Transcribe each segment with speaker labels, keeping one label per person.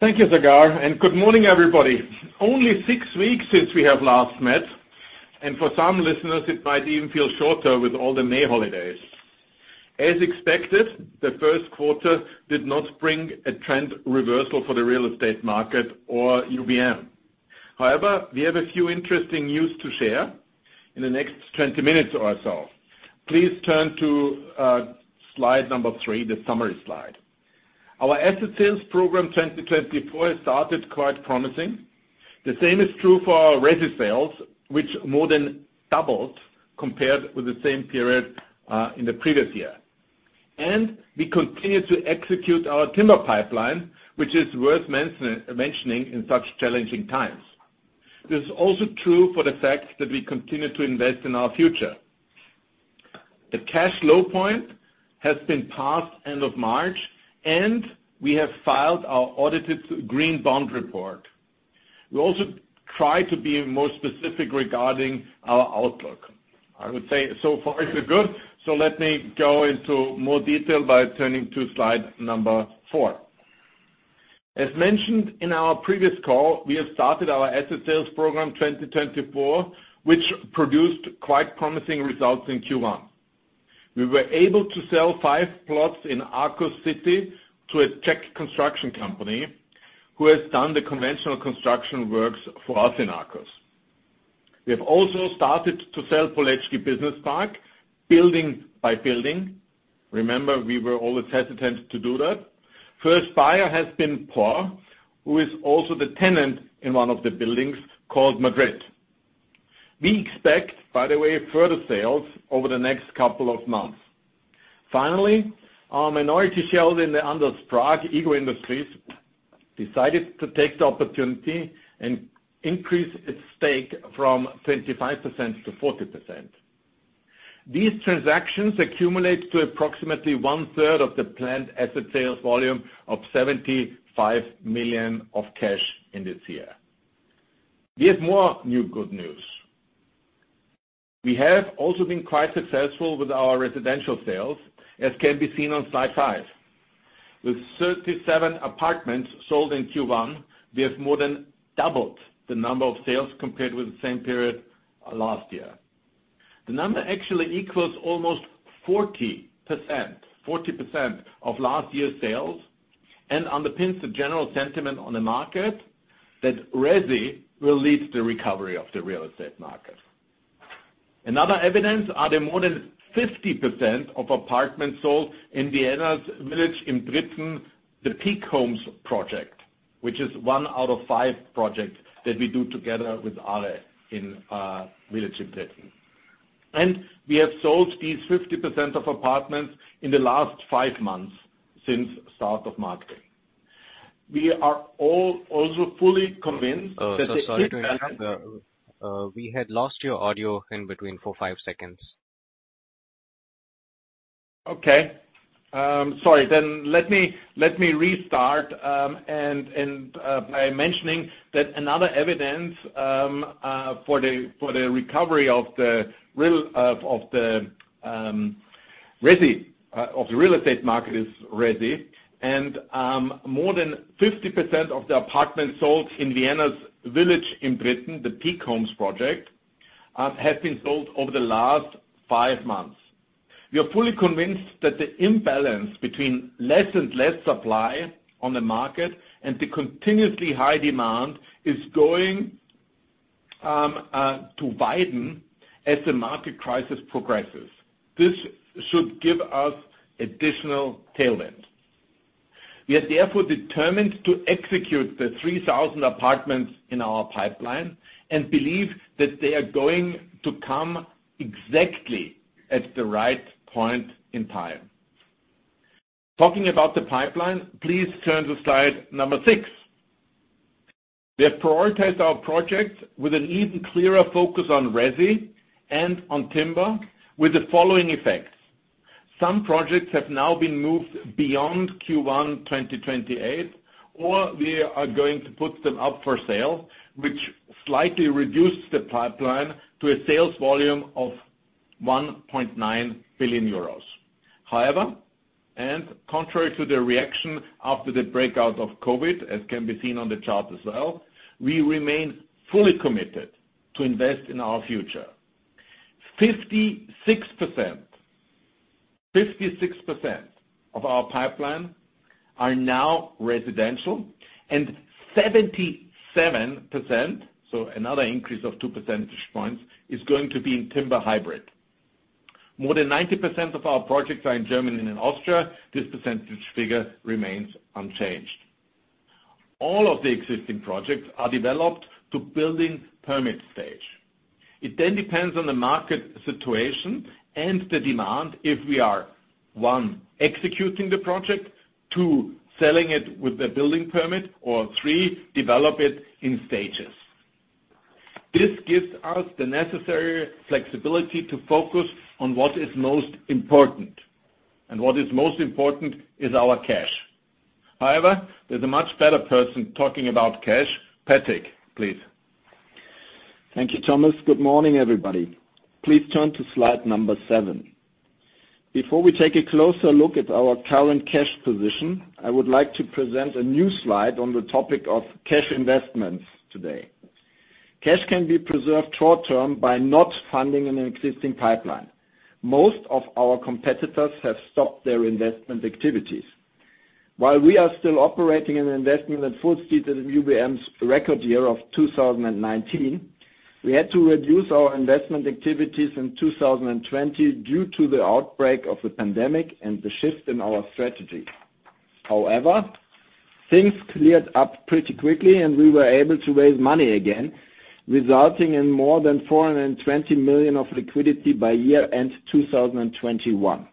Speaker 1: Thank you, Sagar, and good morning, everybody. Only six weeks since we have last met, and for some listeners, it might even feel shorter with all the May holidays. As expected, the first quarter did not bring a trend reversal for the real estate market or UBM. However, we have a few interesting news to share in the next 20 minutes or so. Please turn to slide number three, the summary slide. Our asset sales program 2024 started quite promising. The same is true for our resi sales, which more than doubled compared with the same period in the previous year. We continue to execute our timber pipeline, which is worth mentioning in such challenging times. This is also true for the fact that we continue to invest in our future. The cash low point has been passed end of March, and we have filed our audited green bond report. We also try to be more specific regarding our outlook. I would say so far, so good. So let me go into more detail by turning to slide number four. As mentioned in our previous call, we have started our asset sales program 2024, which produced quite promising results in Q1. We were able to sell five plots in Arcus City to a Czech construction company, who has done the conventional construction works for us in Arcus. We have also started to sell Poleczki Business Park, building by building. Remember, we were always hesitant to do that. First buyer has been PPL who is also the tenant in one of the buildings called Madrid. We expect, by the way, further sales over the next couple of months. Finally, our minority share in the Andaz Prague, IGO Industries, decided to take the opportunity and increase its stake from 25% to 40%. These transactions accumulate to approximately one-third of the planned asset sales volume of 75 million of cash in this year. We have more new good news. We have also been quite successful with our residential sales, as can be seen on slide five. With 37 apartments sold in Q1, we have more than doubled the number of sales compared with the same period last year. The number actually equals almost 40%, 40% of last year's sales, and underpins the general sentiment on the market that resi will lead the recovery of the real estate market. Another evidence are the more than 50% of apartments sold in Vienna's Village im Dritten, the PEAK project, which is one out of five projects that we do together with ARE in Village im Dritten. We have sold these 50% of apartments in the last five months since start of marketing. We are all also fully convinced that the-
Speaker 2: So sorry to interrupt. We had lost your audio in between for five seconds.
Speaker 1: Okay. Sorry, then let me restart and by mentioning that another evidence for the recovery of the real estate market is residential, and more than 50% of the apartments sold in Vienna's Village im Dritten, the PEAK project, have been sold over the last five months. We are fully convinced that the imbalance between less and less supply on the market and the continuously high demand is going to widen as the market crisis progresses. This should give us additional tailwind. We are therefore determined to execute the 3,000 apartments in our pipeline and believe that they are going to come exactly at the right point in time. Talking about the pipeline, please turn to slide number six. We have prioritized our project with an even clearer focus on resi and on timber, with the following effect: Some projects have now been moved beyond Q1 2028, or we are going to put them up for sale, which slightly reduces the pipeline to a sales volume of 1.9 billion euros. However, and contrary to the reaction after the breakout of COVID, as can be seen on the chart as well, we remain fully committed to invest in our future. 56%, 56% of our pipeline are now residential, and 77%, so another increase of two percentage points, is going to be in timber hybrid. More than 90% of our projects are in Germany and in Austria. This percentage figure remains unchanged. All of the existing projects are developed to building permit stage. It then depends on the market situation and the demand, if we are, one, executing the project, two, selling it with the building permit, or three, develop it in stages. This gives us the necessary flexibility to focus on what is most important, and what is most important is our cash. However, there's a much better person talking about cash. Patric, please....
Speaker 3: Thank you, Thomas. Good morning, everybody. Please turn to slide number 7. Before we take a closer look at our current cash position, I would like to present a new slide on the topic of cash investments today. Cash can be preserved short term by not funding an existing pipeline. Most of our competitors have stopped their investment activities. While we are still operating and investing at full speed in UBM's record year of 2019, we had to reduce our investment activities in 2020 due to the outbreak of the pandemic and the shift in our strategy. However, things cleared up pretty quickly, and we were able to raise money again, resulting in more than 420 million of liquidity by year-end 2021.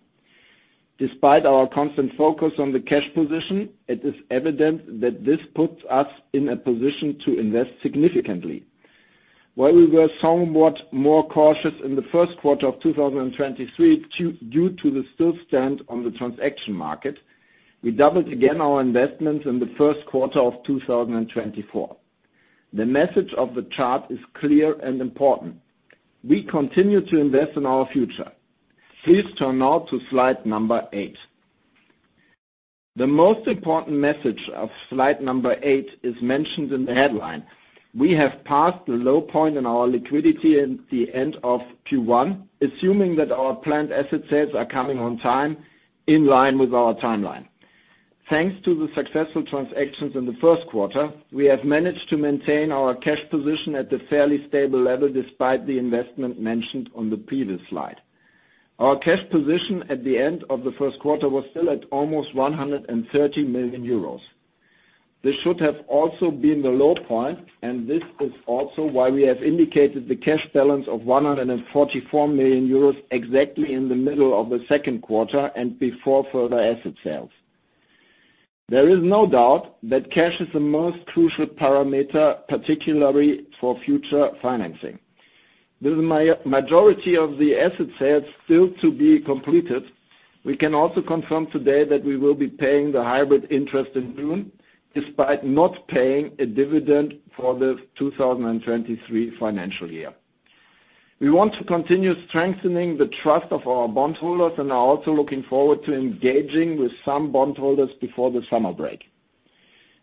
Speaker 3: Despite our constant focus on the cash position, it is evident that this puts us in a position to invest significantly. While we were somewhat more cautious in the first quarter of 2023, due to the standstill on the transaction market, we doubled again our investment in the first quarter of 2024. The message of the chart is clear and important: We continue to invest in our future. Please turn now to slide number 8. The most important message of slide number eight is mentioned in the headline. We have passed the low point in our liquidity at the end of Q1, assuming that our planned asset sales are coming on time, in line with our timeline. Thanks to the successful transactions in the first quarter, we have managed to maintain our cash position at a fairly stable level, despite the investment mentioned on the previous slide. Our cash position at the end of the first quarter was still at almost 130 million euros. This should have also been the low point, and this is also why we have indicated the cash balance of 144 million euros exactly in the middle of the second quarter and before further asset sales. There is no doubt that cash is the most crucial parameter, particularly for future financing. With the majority of the asset sales still to be completed, we can also confirm today that we will be paying the hybrid interest in June, despite not paying a dividend for the 2023 financial year. We want to continue strengthening the trust of our bondholders and are also looking forward to engaging with some bondholders before the summer break.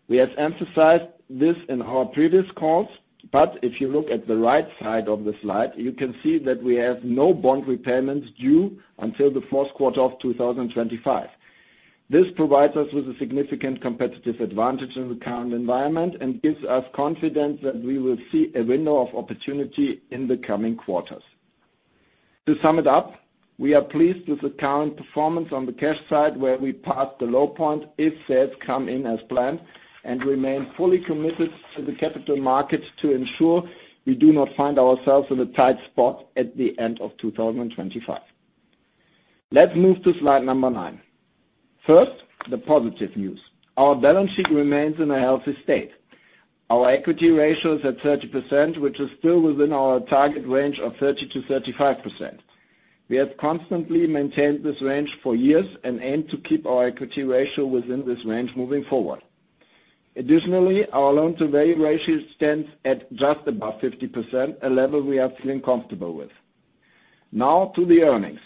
Speaker 3: We have emphasized this in our previous calls, but if you look at the right side of the slide, you can see that we have no bond repayments due until the fourth quarter of 2025. This provides us with a significant competitive advantage in the current environment and gives us confidence that we will see a window of opportunity in the coming quarters. To sum it up, we are pleased with the current performance on the cash side, where we passed the low point, if sales come in as planned, and remain fully committed to the capital markets to ensure we do not find ourselves in a tight spot at the end of 2025. Let's move to slide number nine. First, the positive news. Our balance sheet remains in a healthy state. Our equity ratio is at 30%, which is still within our target range of 30%-35%. We have constantly maintained this range for years and aim to keep our equity ratio within this range moving forward. Additionally, our loan-to-value ratio stands at just above 50%, a level we are feeling comfortable with. Now to the earnings.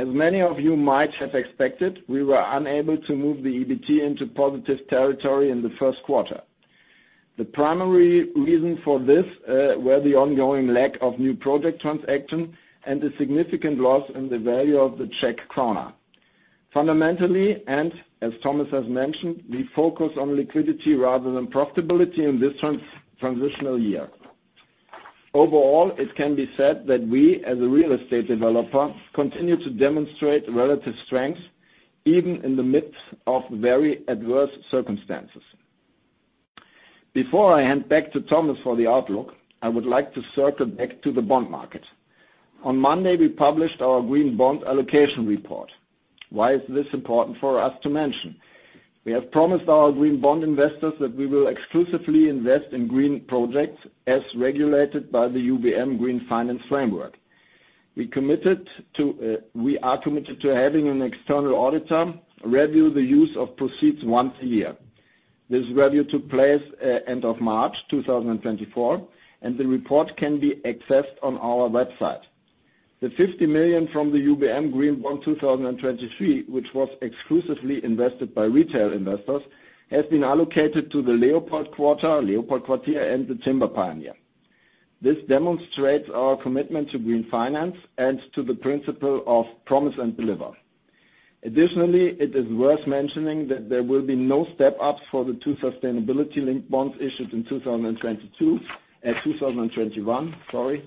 Speaker 3: As many of you might have expected, we were unable to move the EBT into positive territory in the first quarter. The primary reason for this were the ongoing lack of new project transactions and the significant loss in the value of the Czech krona. Fundamentally, and as Thomas has mentioned, we focus on liquidity rather than profitability in this transitional year. Overall, it can be said that we, as a real estate developer, continue to demonstrate relative strength, even in the midst of very adverse circumstances. Before I hand back to Thomas for the outlook, I would like to circle back to the bond market. On Monday, we published our green bond allocation report. Why is this important for us to mention? We have promised our green bond investors that we will exclusively invest in green projects as regulated by the UBM Green Finance Framework. We committed to, we are committed to having an external auditor review the use of proceeds once a year. This review took place, end of March 2024, and the report can be accessed on our website. The 50 million from the UBM Green Bond 2023, which was exclusively invested by retail investors, has been allocated to the Leopold Quartier and the Timber Pioneer. This demonstrates our commitment to green finance and to the principle of promise and deliver. Additionally, it is worth mentioning that there will be no step-ups for the two sustainability-linked bonds issued in 2022, 2021, sorry,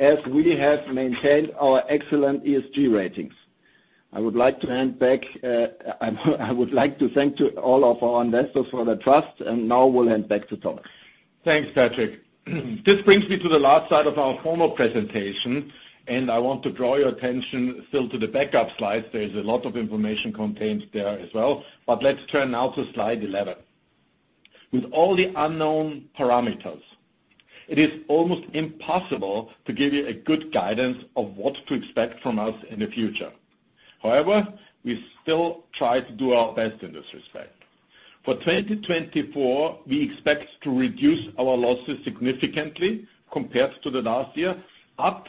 Speaker 3: as we have maintained our excellent ESG ratings. I would like to thank to all of our investors for the trust, and now we'll hand back to Thomas.
Speaker 1: Thanks, Patric. This brings me to the last slide of our formal presentation, and I want to draw your attention still to the backup slides. There is a lot of information contained there as well, but let's turn now to slide 11. With all the unknown parameters, it is almost impossible to give you a good guidance of what to expect from us in the future. However, we still try to do our best in this respect. For 2024, we expect to reduce our losses significantly compared to the last year. But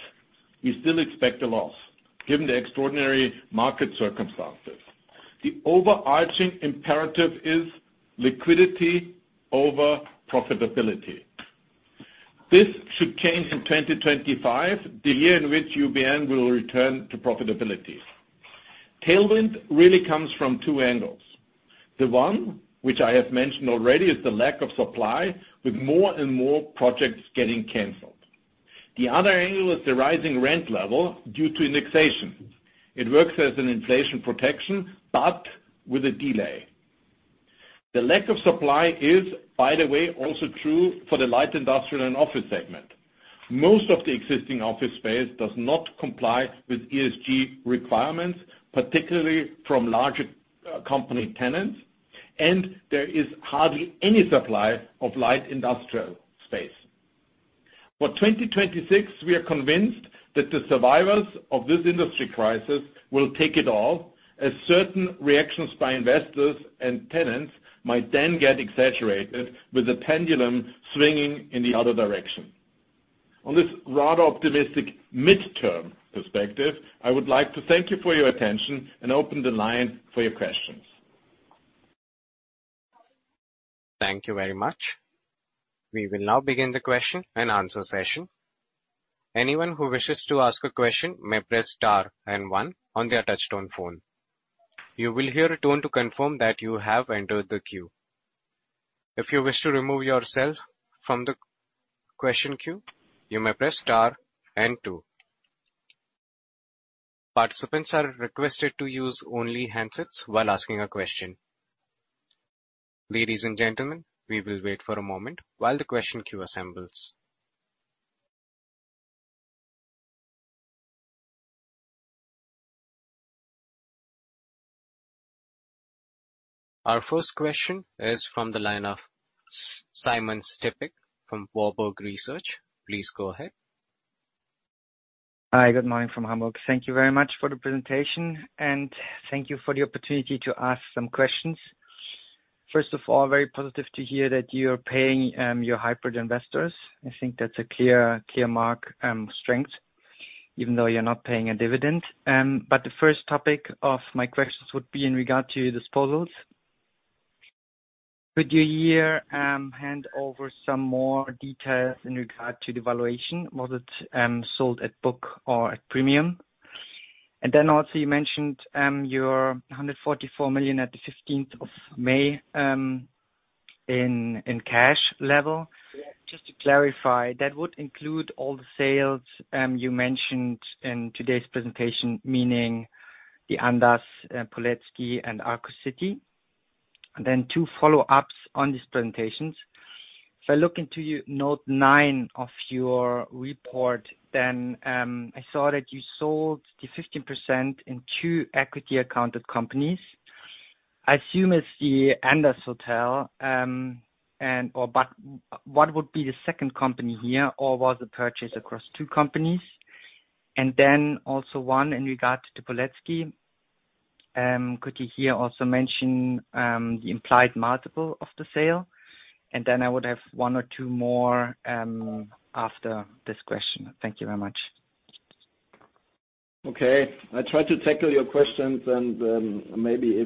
Speaker 1: we still expect a loss, given the extraordinary market circumstances. The overarching imperative is liquidity over profitability. This should change in 2025, the year in which UBM will return to profitability. Tailwind really comes from two angles. The one, which I have mentioned already, is the lack of supply, with more and more projects getting canceled. The other angle is the rising rent level due to indexation. It works as an inflation protection, but with a delay. The lack of supply is, by the way, also true for the light industrial and office segment. Most of the existing office space does not comply with ESG requirements, particularly from larger, company tenants, and there is hardly any supply of light industrial space. For 2026, we are convinced that the survivors of this industry crisis will take it all, as certain reactions by investors and tenants might then get exaggerated, with the pendulum swinging in the other direction. On this rather optimistic midterm perspective, I would like to thank you for your attention and open the line for your questions.
Speaker 2: Thank you very much. We will now begin the question and answer session. Anyone who wishes to ask a question may press star and one on their touchtone phone. You will hear a tone to confirm that you have entered the queue. If you wish to remove yourself from the question queue, you may press star and two. Participants are requested to use only handsets while asking a question. Ladies and gentlemen, we will wait for a moment while the question queue assembles. Our first question is from the line of Simon Stippig from Warburg Research. Please go ahead.
Speaker 4: Hi, good morning from Hamburg. Thank you very much for the presentation, and thank you for the opportunity to ask some questions. First of all, very positive to hear that you're paying your hybrid investors. I think that's a clear mark of strength, even though you're not paying a dividend. But the first topic of my questions would be in regard to disposals. Could you here hand over some more details in regard to the valuation? Was it sold at book or at premium? And then also you mentioned your 144 million at the fifteenth of May in cash level. Just to clarify, that would include all the sales you mentioned in today's presentation, meaning the Andaz, Poleczki and Arcus City. And then two follow-ups on these presentations. If I look into your Note 9 of your report, then, I saw that you sold the 15% in two equity accounted companies. I assume it's the Andaz Hotel, and -- or but what would be the second company here, or was the purchase across two companies? And then also one in regard to Poleczki. Could you here also mention, the implied multiple of the sale? And then I would have one or two more, after this question. Thank you very much.
Speaker 1: Okay. I tried to tackle your questions, and maybe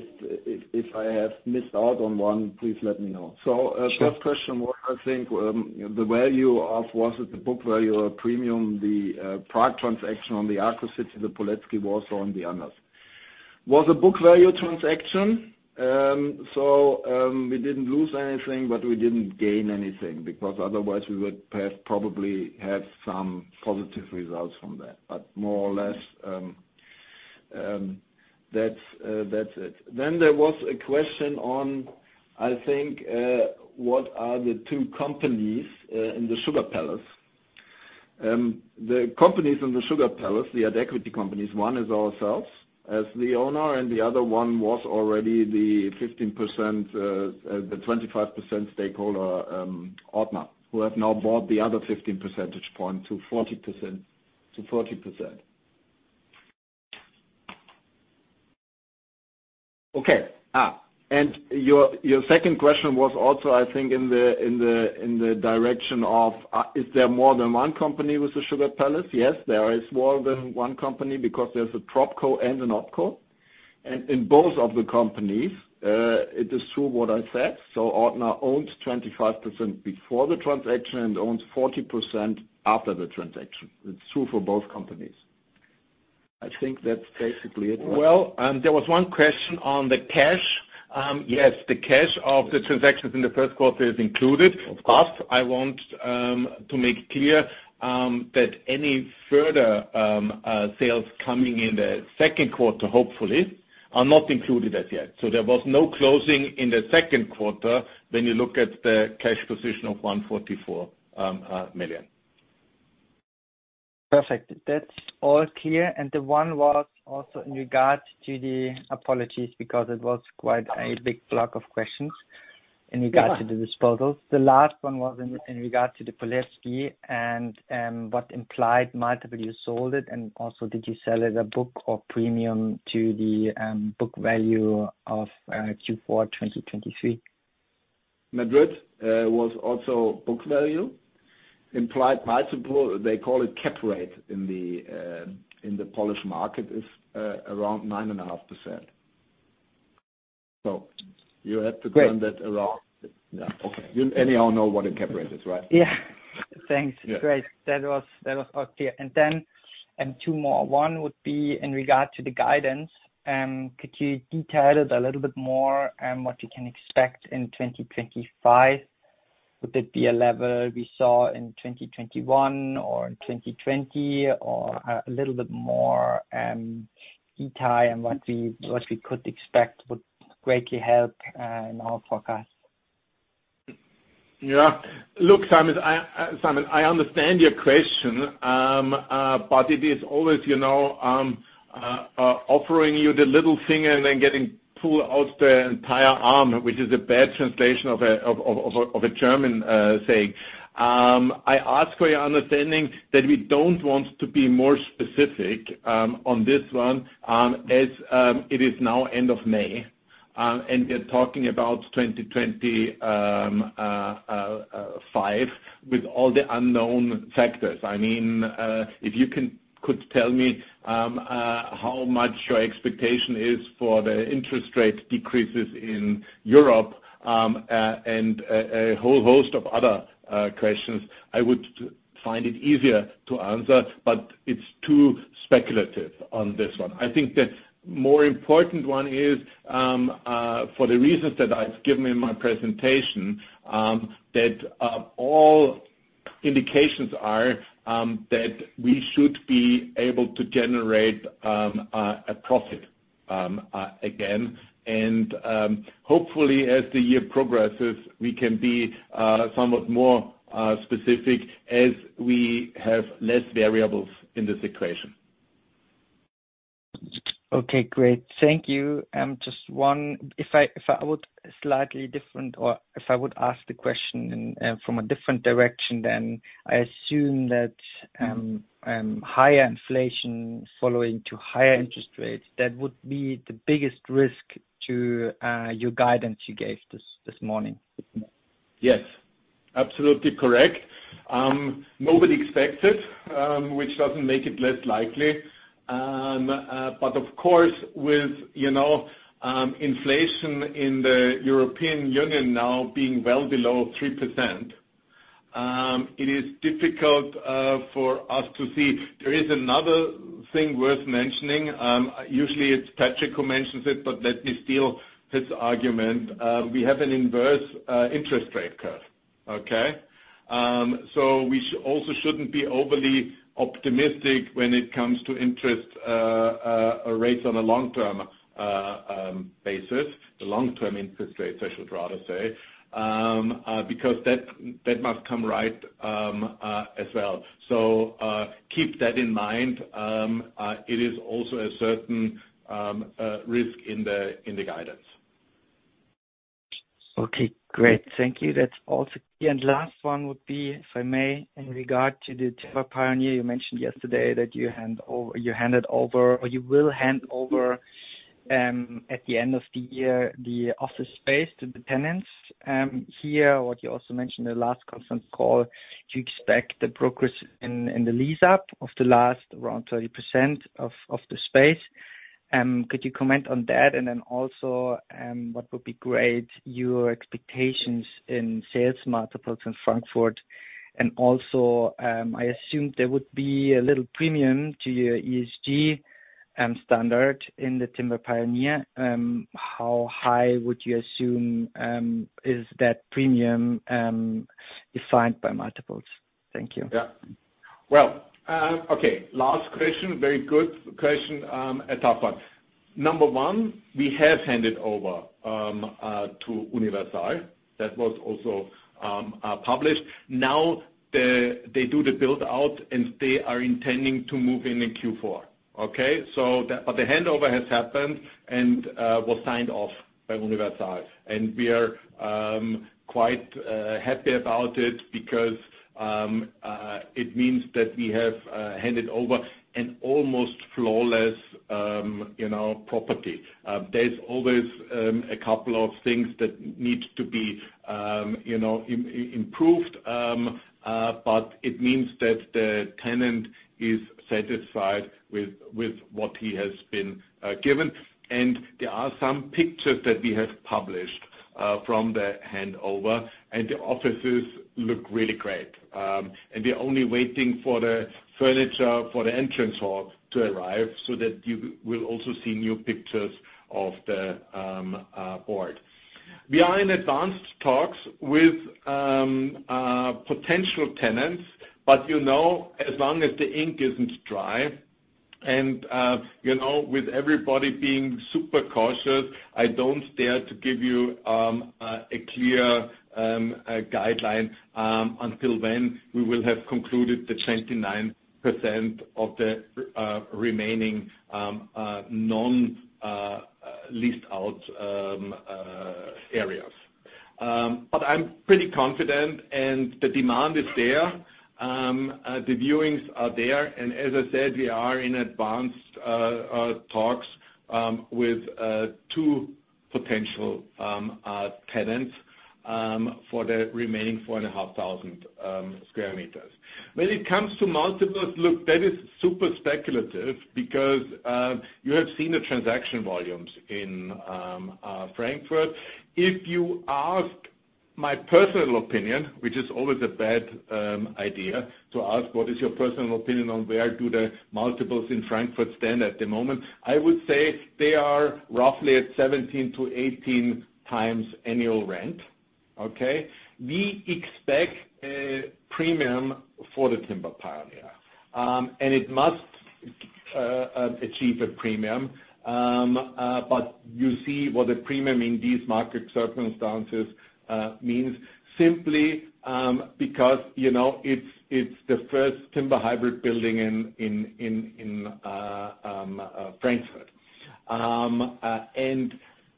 Speaker 1: if I have missed out on one, please let me know.
Speaker 4: Sure.
Speaker 1: So, first question, what I think the value of was it the book value or premium, the Prague transaction on the Arcus City, the Poleczki, was on the Andaz. Was a book value transaction, so, we didn't lose anything, but we didn't gain anything, because otherwise we would have probably had some positive results from that. But more or less, that's it. Then there was a question on, I think, what are the two companies in the Sugar Palace? The companies in the Sugar Palace, the equity companies, one is ourselves as the owner, and the other one was already the 15%, the 25% stakeholder, Ortner, who have now bought the other 15 percentage point to 40%, to 40%. Okay. Ah, and your second question was also, I think, in the direction of, is there more than one company with the Sugar Palace? Yes, there is more than one company, because there's a prop co and an op co. And in both of the companies, it is true what I said. So Ortner owns 25% before the transaction and owns 40% after the transaction. It's true for both companies. I think that's basically it. Well, there was one question on the cash. Yes, the cash of the transactions in the first quarter is included.
Speaker 4: Of course.
Speaker 1: But I want to make clear that any further sales coming in the second quarter, hopefully, are not included as yet. So there was no closing in the second quarter when you look at the cash position of 144 million.
Speaker 4: Perfect. That's all clear. And the one was also in regard to the... apologies, because it was quite a big block of questions.... in regards to the disposal. The last one was in regards to the Poleczki and, what implied multiple you sold it, and also, did you sell it at book or premium to the, book value of Q4 2023?
Speaker 1: Madrid was also book value. Implied multiple, they call it cap rate in the Polish market, is around 9.5%. So you have to turn that around.
Speaker 4: Great.
Speaker 1: Yeah. Okay. You anyhow know what a cap rate is, right?
Speaker 4: Yeah. Thanks.
Speaker 1: Yeah.
Speaker 4: Great. That was all clear. And then, two more. One would be in regard to the guidance. Could you detail it a little bit more on what you can expect in 2025? Would it be a level we saw in 2021 or in 2020, or a little bit more detail on what we could expect would greatly help in our forecast.
Speaker 1: Yeah. Look, Simon, I, Simon, I understand your question. But it is always, you know, offering you the little finger and then getting pulled out the entire arm, which is a bad translation of a German saying. I ask for your understanding that we don't want to be more specific on this one, as it is now end of May, and we're talking about 2025, with all the unknown factors. I mean, if you could tell me how much your expectation is for the interest rate decreases in Europe and a whole host of other questions, I would find it easier to answer, but it's too speculative on this one. I think the more important one is, for the reasons that I've given in my presentation, that all indications are that we should be able to generate a profit again, and hopefully, as the year progresses, we can be somewhat more specific as we have less variables in this equation.
Speaker 4: Okay, great. Thank you. Just one... If I, if I would slightly different or if I would ask the question in, from a different direction, then, I assume that, higher inflation following to higher interest rates, that would be the biggest risk to, your guidance you gave this, this morning?
Speaker 1: Yes, absolutely correct. Nobody expects it, which doesn't make it less likely. But of course, with, you know, inflation in the European Union now being well below 3%, it is difficult for us to see. There is another thing worth mentioning. Usually it's Patric who mentions it, but let me steal his argument. We have an inverse interest rate curve, okay? So we also shouldn't be overly optimistic when it comes to interest rates on a long-term basis, the long-term interest rates, I should rather say. Because that must come right as well. So, keep that in mind. It is also a certain risk in the guidance.
Speaker 4: Okay, great. Thank you. That's all. And last one would be, if I may, in regard to the Timber Pioneer. You mentioned yesterday that you handed over or you will hand over, at the end of the year, the office space to the tenants. Here, what you also mentioned in the last conference call, you expect the progress in the lease up of the last around 30% of the space. Could you comment on that? And then also, what would be great, your expectations in sales multiples in Frankfurt. And also, I assume there would be a little premium to your ESG standard in the Timber Pioneer. How high would you assume is that premium defined by multiples? Thank you.
Speaker 1: Yeah. Well, okay, last question. Very good question. Number one, we have handed over to Universal. That was also published. Now, they do the build-out, and they are intending to move in in Q4, okay? So the... But the handover has happened and was signed off by Universal, and we are quite happy about it because it means that we have handed over an almost flawless, you know, property. There's always a couple of things that need to be, you know, improved, but it means that the tenant is satisfied with what he has been given. And there are some pictures that we have published from the handover, and the offices look really great. We're only waiting for the furniture for the entrance hall to arrive, so that you will also see new pictures of the board. We are in advanced talks with potential tenants, but, you know, as long as the ink isn't dry, and, you know, with everybody being super cautious, I don't dare to give you a clear guideline until when we will have concluded the 29% of the remaining non-leased-out areas. But I'm pretty confident, and the demand is there. The viewings are there, and as I said, we are in advanced talks with two potential tenants for the remaining 4,500 square meters. When it comes to multiples, look, that is super speculative because you have seen the transaction volumes in Frankfurt. If you ask my personal opinion, which is always a bad idea, to ask what is your personal opinion on where do the multiples in Frankfurt stand at the moment, I would say they are roughly at 17-18x annual rent. Okay? We expect a premium for the Timber Pioneer, and it must achieve a premium. But you see what a premium in these market circumstances means simply, because, you know, it's the first timber-hybrid building in Frankfurt.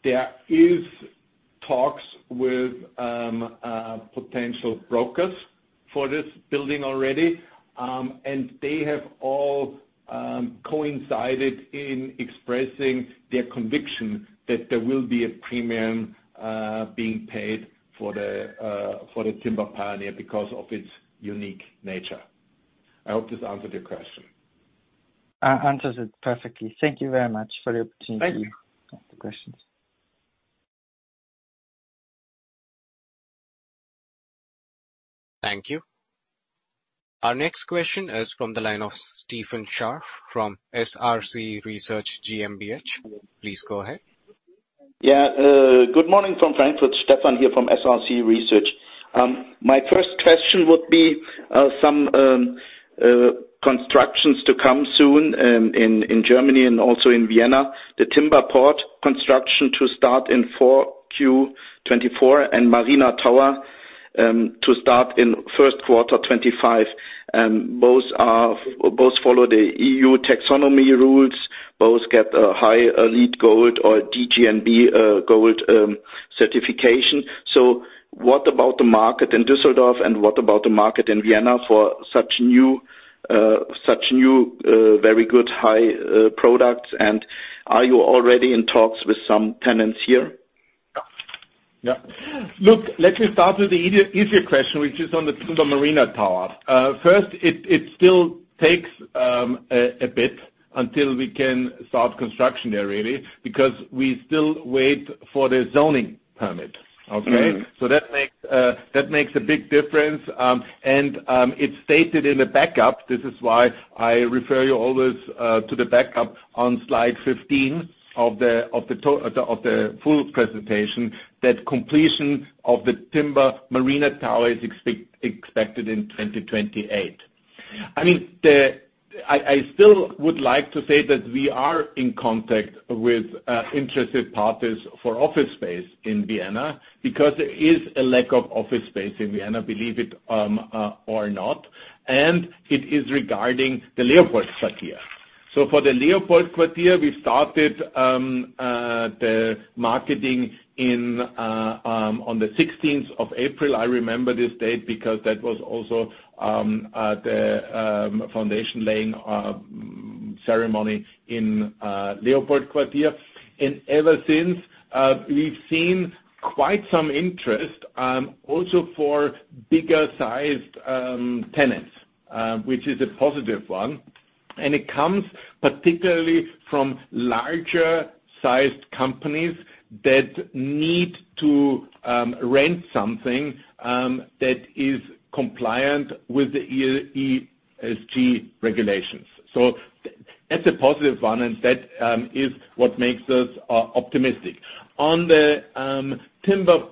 Speaker 1: There is talks with potential brokers for this building already, and they have all coincided in expressing their conviction that there will be a premium being paid for the Timber Pioneer because of its unique nature. I hope this answered your question.
Speaker 4: answers it perfectly. Thank you very much for the opportunity-
Speaker 1: Thank you.
Speaker 4: -to ask the questions.
Speaker 2: Thank you. Our next question is from the line of Stefan Scharff from SRC Research GmbH. Please go ahead.
Speaker 4: Yeah, good morning from Frankfurt. Stefan here from SRC Research. My first question would be some constructions to come soon in Germany and also in Vienna. The Timber Port construction to start in Q4 2024, and Marina Tower to start in first quarter 2025. Both follow the EU taxonomy rules. Both get a high LEED Gold or DGNB Gold certification. So what about the market in Düsseldorf? And what about the market in Vienna for such new such new very good high products? And are you already in talks with some tenants here?
Speaker 1: Yeah. Look, let me start with the easier question, which is on the Timber Marina Tower. First, it still takes a bit until we can start construction there, really, because we still wait for the zoning permit. Okay?
Speaker 4: Mm-hmm.
Speaker 1: So that makes a big difference. And it's stated in the backup. This is why I refer you always to the backup on slide 15 of the full presentation, that completion of the Timber Marina Tower is expected in 2028. I mean, I still would like to say that we are in contact with interested parties for office space in Vienna, because there is a lack of office space in Vienna, believe it or not, and it is regarding the Leopold Quartier. So for the Leopold Quartier, we started the marketing on the 16th of April. I remember this date because that was also the foundation laying ceremony in Leopold Quartier. And ever since, we've seen quite some interest, also for bigger-sized tenants, which is a positive one. It comes particularly from larger-sized companies that need to rent something that is compliant with the ESG regulations. That's a positive one, and that is what makes us optimistic. On the Timber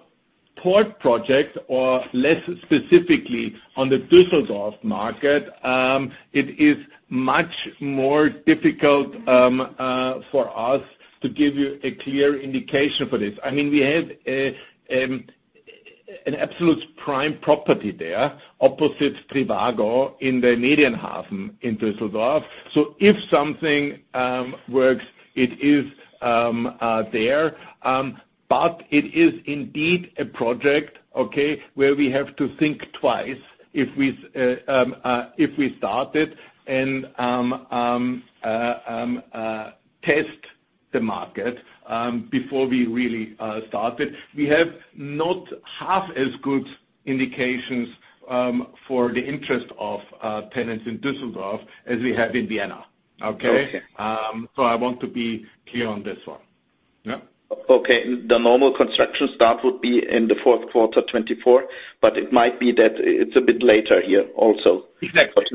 Speaker 1: Port project, or less specifically, on the Düsseldorf market, it is much more difficult for us to give you a clear indication for this. I mean, we have an absolute prime property there, opposite Trivago in the MedienHafen in Düsseldorf. So if something works, it is there, but it is indeed a project, okay, where we have to think twice if we start it and test the market before we really start it. We have not half as good indications for the interest of tenants in Düsseldorf as we have in Vienna. Okay?
Speaker 4: Okay.
Speaker 1: I want to be clear on this one. Yeah.
Speaker 4: Okay. The normal construction start would be in the fourth quarter 2024, but it might be that it's a bit later here also.
Speaker 1: Exactly.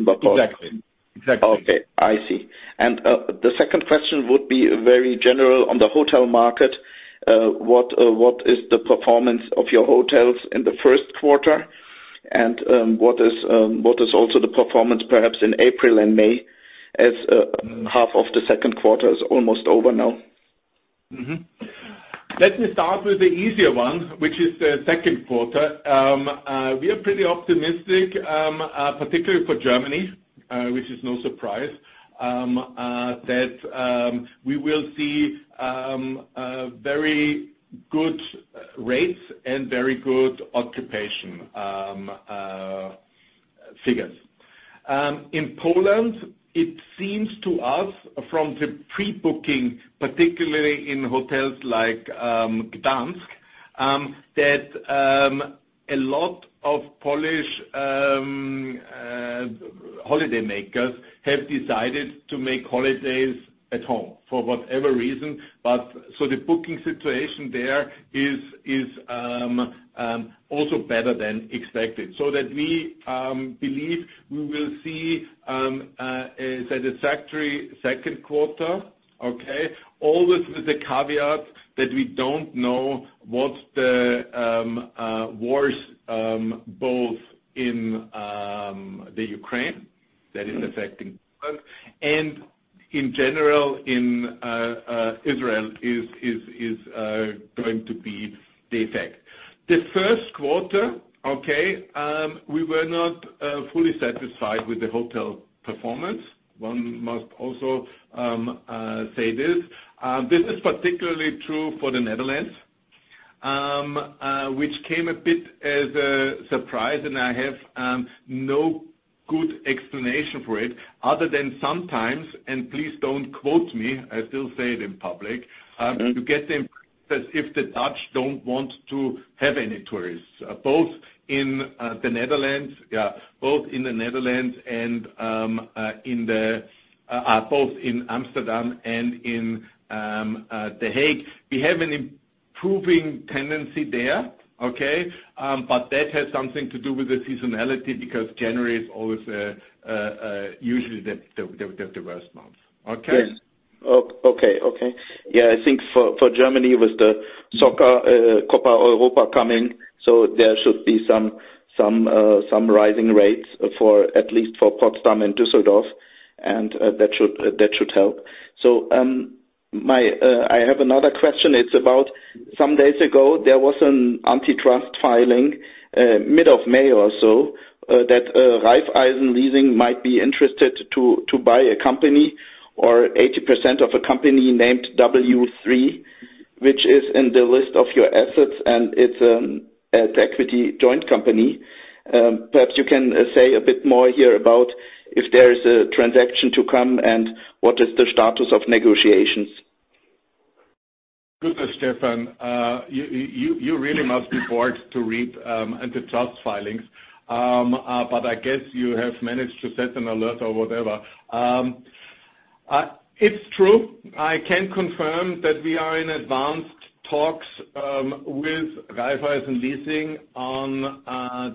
Speaker 4: Okay, I see. The second question would be very general on the hotel market. What is the performance of your hotels in the first quarter? And, what is also the performance perhaps in April and May, as-
Speaker 1: Mm-hmm.
Speaker 4: Half of the second quarter is almost over now?
Speaker 1: Mm-hmm. Let me start with the easier one, which is the second quarter. We are pretty optimistic, particularly for Germany, which is no surprise. That we will see a very good rates and very good occupation figures. In Poland, it seems to us from the pre-booking, particularly in hotels like Gdańsk, that a lot of Polish holiday makers have decided to make holidays at home for whatever reason. But so the booking situation there is also better than expected, so that we believe we will see a satisfactory second quarter, okay? Always with the caveat that we don't know what the wars both in the Ukraine that is affecting, and in general in Israel is going to be the effect. The first quarter, okay, we were not fully satisfied with the hotel performance. One must also say this. This is particularly true for the Netherlands, which came a bit as a surprise, and I have no good explanation for it, other than sometimes, and please don't quote me, I still say it in public, you get the impression as if the Dutch don't want to have any tourists both in the Netherlands. Yeah, both in the Netherlands and in the both in Amsterdam and in The Hague. We have an improving tendency there, okay? But that has something to do with the seasonality, because January is always usually the worst month. Okay?
Speaker 5: Yes. Okay, okay. Yeah, I think for Germany, with the soccer Copa Europa coming, so there should be some rising rates for at least for Potsdam and Düsseldorf, and that should help. So, my... I have another question. It's about some days ago, there was an antitrust filing mid of May or so, that Raiffeisen-Leasing might be interested to buy a company or 80% of a company named W3, which is in the list of your assets, and it's an equity joint company. Perhaps you can say a bit more here about if there is a transaction to come and what is the status of negotiations.
Speaker 1: Good, Stefan. You really must be bored to read antitrust filings. But I guess you have managed to set an alert or whatever. It's true, I can confirm that we are in advanced talks with Raiffeisen-Leasing on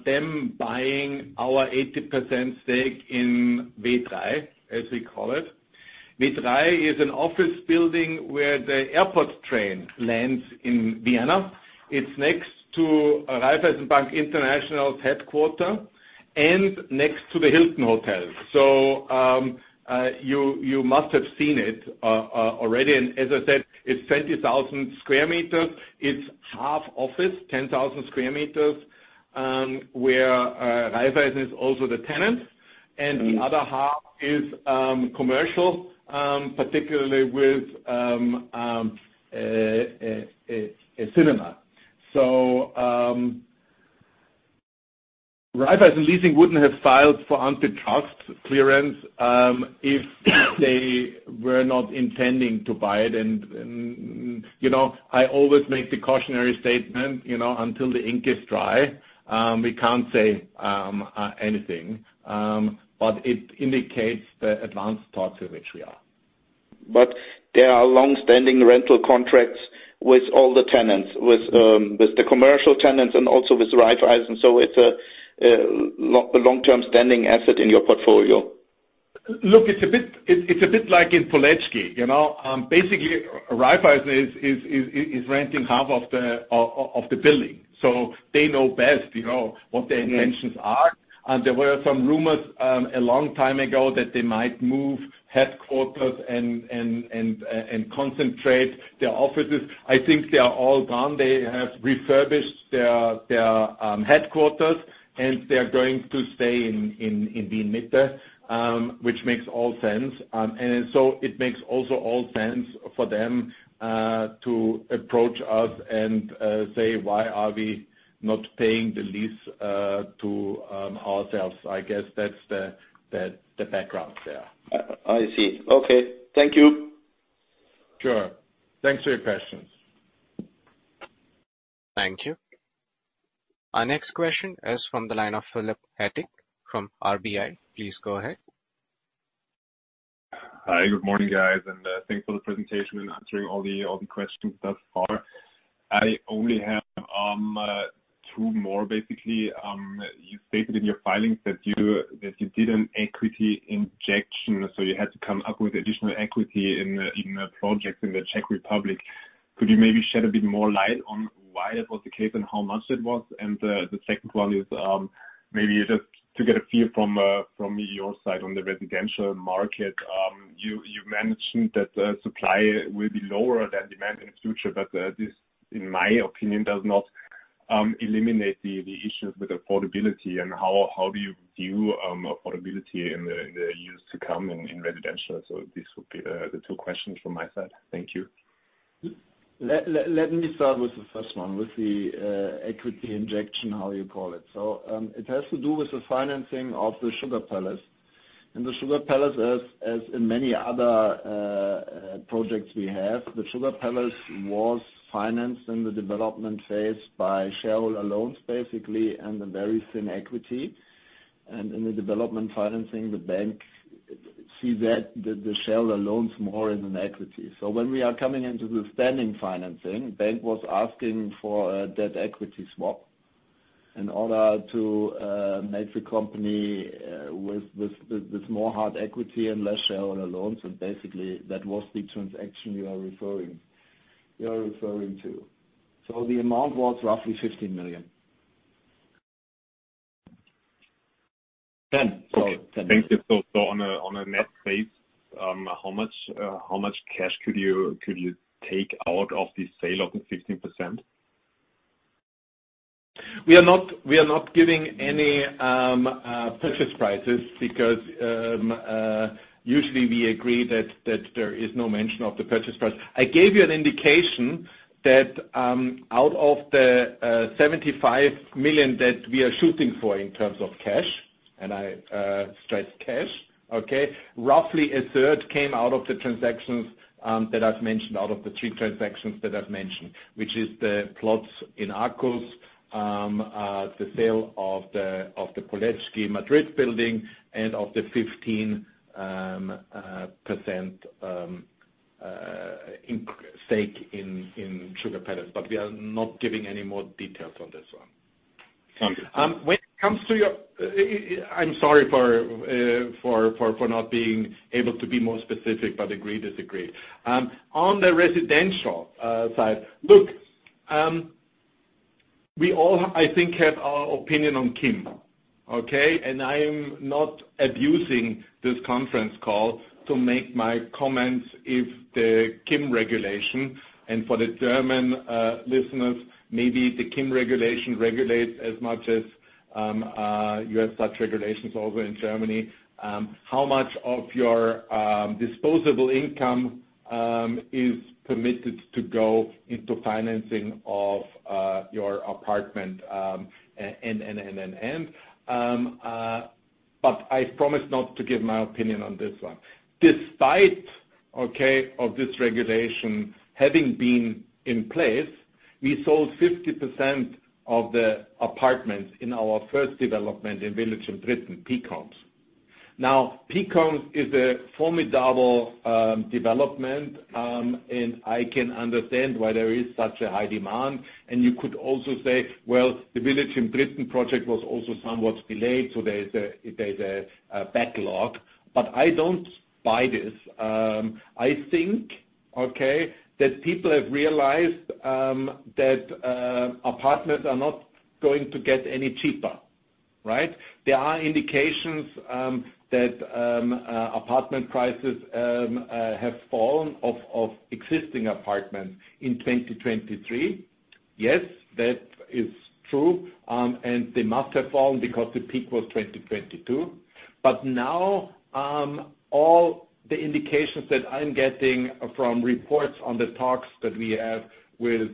Speaker 1: them buying our 80% stake in W3, as we call it. W3 is an office building where the airport train lands in Vienna. It's next to Raiffeisen Bank International's headquarters and next to the Hilton Hotel. So, you must have seen it already. And as I said, it's 20,000 square meters. It's half office, 10,000 square meters, where Raiffeisen is also the tenant, and the other half is commercial, particularly with a cinema.
Speaker 4: So, Raiffeisen Leasing wouldn't have filed for antitrust clearance, if they were not intending to buy it. And, you know, I always make the cautionary statement, you know, until the ink is dry, we can't say anything, but it indicates the advanced talks in which we are. But there are long-standing rental contracts with all the tenants, with the commercial tenants and also with Raiffeisen. So it's a long-term standing asset in your portfolio.
Speaker 1: Look, it's a bit like in Poleczki, you know? Basically, Raiffeisen is renting half of the building, so they know best, you know, what their intentions are. And there were some rumors a long time ago that they might move headquarters and concentrate their offices. I think they are all gone. They have refurbished their headquarters, and they are going to stay in Vienna, which makes all sense. And so it makes also all sense for them to approach us and say, "Why are we not paying the lease to ourselves?" I guess that's the background there.
Speaker 4: I, I see. Okay, thank you.
Speaker 1: Sure. Thanks for your questions.
Speaker 2: Thank you. Our next question is from the line of Philipp Etting from RBI. Please go ahead.
Speaker 4: Hi, good morning, guys, and, thanks for the presentation and answering all the, all the questions thus far. I only have two more, basically. You stated in your filings that you, that you did an equity injection, so you had to come up with additional equity in the, in the projects in the Czech Republic. Could you maybe shed a bit more light on why that was the case and how much it was? And, the second one is, maybe just to get a feel from, from your side on the residential market. You mentioned that supply will be lower than demand in the future, but this, in my opinion, does not eliminate the, the issues with affordability. And how do you view affordability in the, in the years to come in, in residential? This would be the two questions from my side. Thank you.
Speaker 1: Let me start with the first one, with the equity injection, how you call it. So, it has to do with the financing of the Sugar Palace. And the Sugar Palace, as in many other projects we have, the Sugar Palace was financed in the development phase by shareholder loans, basically, and a very thin equity. And in the development financing, the bank see that the shareholder loans more in an equity. So when we are coming into the spending financing, bank was asking for debt equity swap in order to make the company with more hard equity and less shareholder loans. And basically, that was the transaction you are referring, you are referring to. So the amount was roughly 50 million. 10, sorry, 10.
Speaker 4: Okay. Thank you. So on a net base, how much cash could you take out of the sale of the 15%?
Speaker 1: We are not, we are not giving any purchase prices because usually we agree that there is no mention of the purchase price. I gave you an indication that out of the 75 million that we are shooting for in terms of cash, and I stress cash, okay? Roughly a third came out of the transactions that I've mentioned, out of the three transactions that I've mentioned, which is the plots in Arcus, the sale of the Poleczki Madrid building and of the 15% stake in Sugar Palace, but we are not giving any more details on this one.
Speaker 6: Thank you.
Speaker 1: When it comes to your... I'm sorry for not being able to be more specific, but agreed is agreed. On the residential side, look, we all, I think, have our opinion on KIM, okay? And I'm not abusing this conference call to make my comments on the KIM regulation, and for the German listeners, maybe the KIM regulation regulates as much as you have such regulations over in Germany, how much of your disposable income is permitted to go into financing of your apartment. But I promise not to give my opinion on this one. Despite of this regulation having been in place, we sold 50% of the apartments in our first development in Village im Dritten, PEAK Homes. Now, Peak Homes is a formidable development, and I can understand why there is such a high demand. And you could also say, "Well, the Village im Dritten project was also somewhat delayed, so there's a backlog." But I don't buy this. I think, okay, that people have realized that apartments are not going to get any cheaper, right? There are indications that apartment prices have fallen off of existing apartments in 2023. Yes, that is true, and they must have fallen because the peak was 2022. But now, all the indications that I'm getting from reports on the talks that we have with,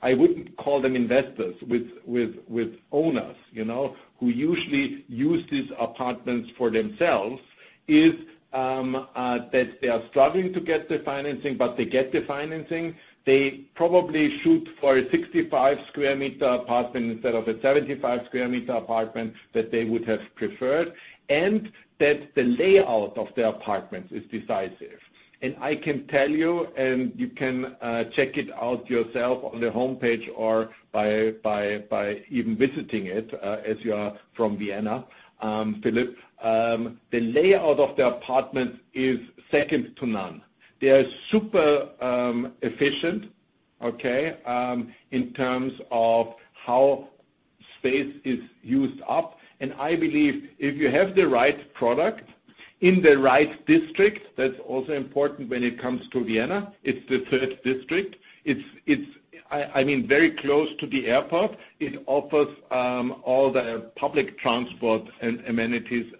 Speaker 1: I wouldn't call them investors, with owners, you know, who usually use these apartments for themselves, is that they are struggling to get the financing, but they get the financing. They probably shoot for a 65 square meter apartment instead of a 75 square meter apartment that they would have preferred, and that the layout of the apartment is decisive. And I can tell you, and you can check it out yourself on the homepage or by even visiting it, as you are from Vienna, Philip. The layout of the apartment is second to none. They are super efficient, okay, in terms of how space is used up. And I believe if you have the right product in the right district, that's also important when it comes to Vienna. It's the Third District. It's, I mean, very close to the airport. It offers all the public transport and amenities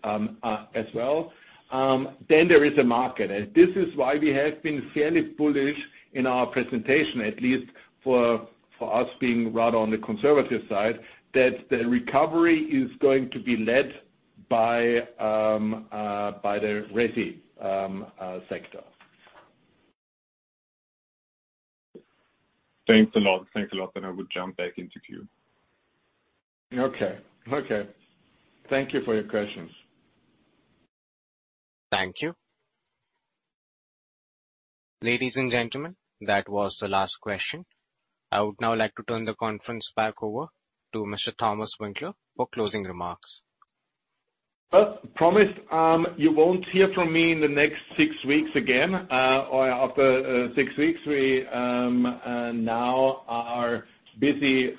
Speaker 1: as well. Then there is a market. And this is why we have been fairly bullish in our presentation, at least for us being rather on the conservative side, that the recovery is going to be led by the resi sector. Thanks a lot. Thanks a lot, and I will jump back into queue. Okay. Okay. Thank you for your questions.
Speaker 2: Thank you. Ladies and gentlemen, that was the last question. I would now like to turn the conference back over to Mr. Thomas Winkler for closing remarks.
Speaker 1: Well, promise, you won't hear from me in the next six weeks again, or after six weeks. We now are busy,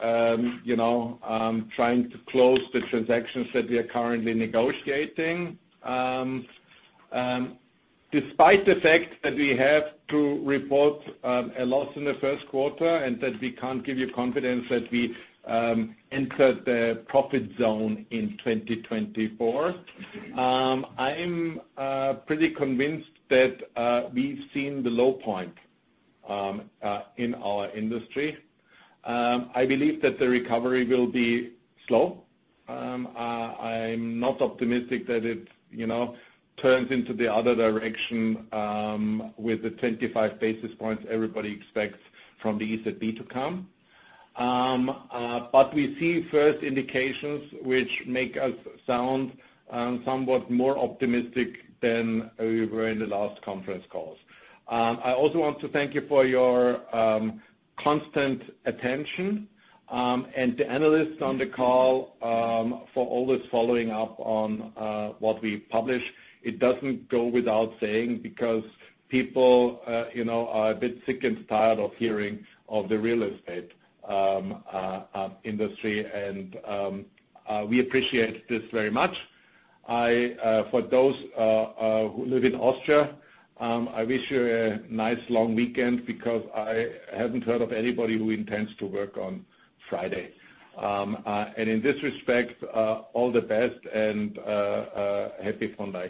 Speaker 1: you know, trying to close the transactions that we are currently negotiating. Despite the fact that we have to report a loss in the first quarter and that we can't give you confidence that we entered the profit zone in 2024, I'm pretty convinced that we've seen the low point in our industry. I believe that the recovery will be slow. I'm not optimistic that it, you know, turns into the other direction with the 25 basis points everybody expects from the EZB to come. But we see first indications which make us sound somewhat more optimistic than we were in the last conference calls. I also want to thank you for your constant attention and the analysts on the call for always following up on what we publish. It doesn't go without saying, because people, you know, are a bit sick and tired of hearing of the real estate industry, and we appreciate this very much. For those who live in Austria, I wish you a nice, long weekend because I haven't heard of anybody who intends to work on Friday. And in this respect, all the best and happy Monday.